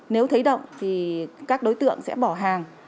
nếu thấy động thì các đối tượng sẽ bỏ hàng